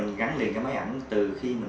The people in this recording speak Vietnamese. nhưng nguyễn vinh hiển